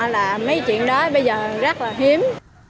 là mấy chuyện đó bây giờ rất là hiếm